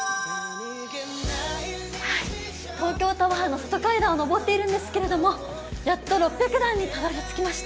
東京タワーの外階段を上っているんですけれども、やっと６００段にたどりつきました。